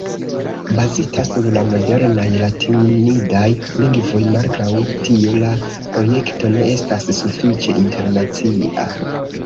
Bazita sur la modernaj latinidaj lingvoj, malgraŭ tio, la projekto ne estas sufiĉe internacia.